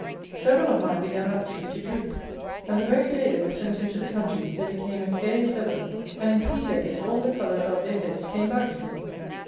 Several of mine began actually to droop: and, the very day they were sent into the country, they became as gay as ever, and, in three days, all the colour about their heads came back to them.